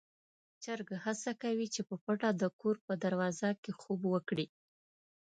چرګ هڅه کوي چې په پټه د کور په دروازه کې خوب وکړي.